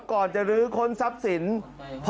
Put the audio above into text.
ก่อนจะลื้อคนทรัพย์ศิลป์